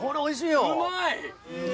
うまい！